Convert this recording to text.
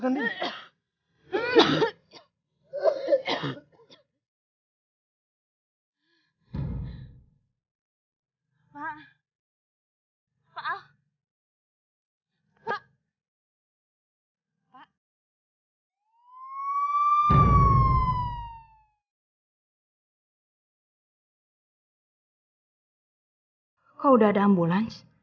kalau sudah ada ambulans